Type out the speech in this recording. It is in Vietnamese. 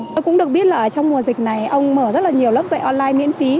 tôi cũng được biết là trong mùa dịch này ông mở rất là nhiều lớp dạy online miễn phí